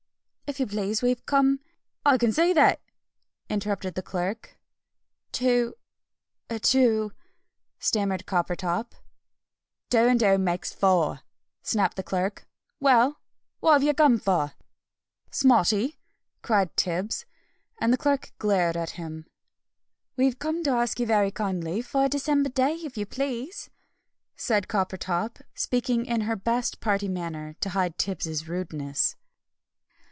"If you please, we've come " "I can see that!" interrupted the Clerk. "To to " stammered Coppertop. "Two and two makes four!" snapped the Clerk. "Well! what have you come for?" "Smarty!" cried Tibbs. And the Clerk glared at him. "We've come to ask you very kindly for a December day, if you please," said Coppertop, speaking in her best party manner, to hide Tibbs' rudeness.